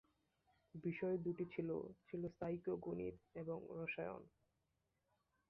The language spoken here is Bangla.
বিষয় দুটি ছিল ছিল সাইকো-গণিত এবং রসায়ন।